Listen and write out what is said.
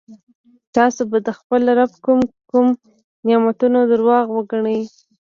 تاسو به د خپل رب کوم کوم نعمتونه درواغ وګڼئ.